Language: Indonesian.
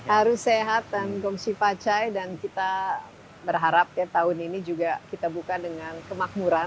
harus sehat dan gongsi pacai dan kita berharap ya tahun ini juga kita buka dengan kemakmuran